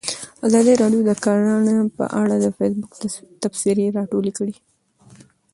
ازادي راډیو د کرهنه په اړه د فیسبوک تبصرې راټولې کړي.